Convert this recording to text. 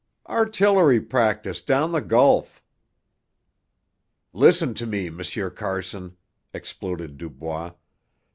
"Artillery practice down the Gulf." "Listen to me, M. Carson!" exploded Dubois.